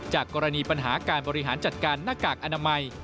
กรณีปัญหาการบริหารจัดการหน้ากากอนามัย